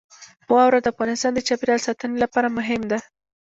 واوره د افغانستان د چاپیریال ساتنې لپاره مهم دي.